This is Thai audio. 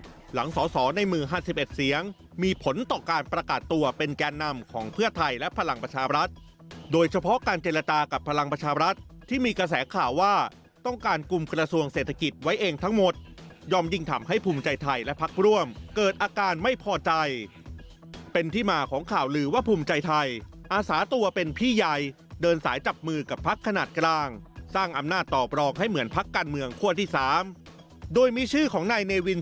การจัดตั้งภูมิแข่วนทั้งสอสอในมือห้าสิบเอ็ดเสียงมีผลต่อการประกาศตัวเป็นแก้นนำของเพื่อไทยและพลังปัชฌาบรัฐโดยเฉพาะการเจรตากับพลังปัชฌาบรัฐที่มีกระแสข่าวว่าต้องการกลุ่มกระทรวงเศรษฐกิจไว้เองทั้งหมดยอมยิ่งทำให้ภูมิใจไทยและพรักร่วมเกิดอาการไม่พอใจ